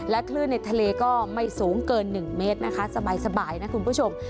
คลื่นในทะเลก็ไม่สูงเกิน๑เมตรนะคะสบายนะคุณผู้ชม